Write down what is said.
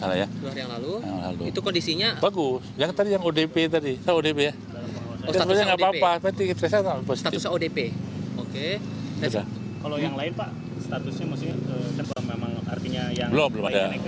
kalau yang lain pak statusnya maksudnya memang artinya yang negatif atau belum ada